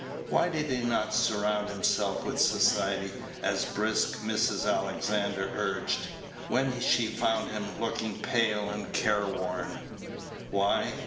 Why did he not surround himself with society, as brisk Mrs. Alexander urged, when she found him looking pale and care worn? Why?